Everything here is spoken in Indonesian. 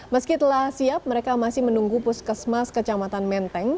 meski telah siap mereka masih menunggu puskesmas kecamatan menteng